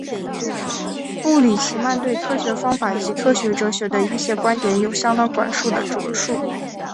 布里奇曼对科学方法及科学哲学的一些观点有相当广泛的着述。